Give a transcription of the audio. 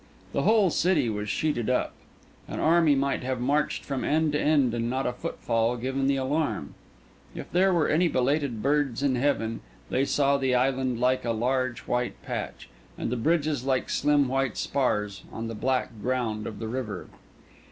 The whole city was sheeted up. An army might have marched from end to end and not a footfall given the alarm. If there were any belated birds in heaven, they saw the island like a large white patch, and the bridges like slim white spars, on the black ground of the river.